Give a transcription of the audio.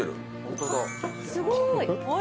すごい。